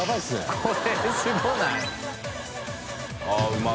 これすごくない？